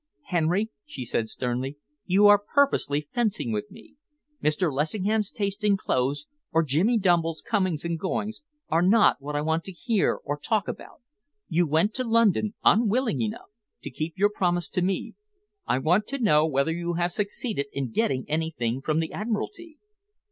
"Henry," she said sternly, "you are purposely fencing with me. Mr. Lessingham's taste in clothes, or Jimmy Dumble's comings and goings, are not what I want to hear or talk about. You went to London, unwillingly enough, to keep your promise to me. I want to know whether you have succeeded in getting anything from the Admiralty?"